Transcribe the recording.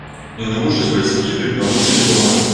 Не навучаць бацькі, дык навучыць гора